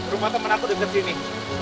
rumah temen aku deket sini